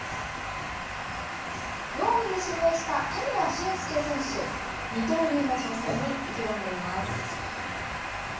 ４位で指名した田村俊介選手、二刀流の挑戦に意気込んでいます。